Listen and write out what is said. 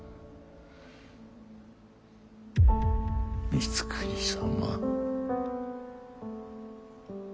光圀様。